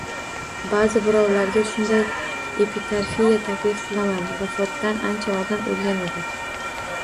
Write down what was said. Ba’zi birovlarga shunday epitafiya taklif qilaman: “Vafotidan ancha oldin o’lgan edi”.